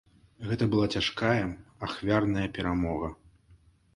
Гэта была цяжкая, ахвярная перамога.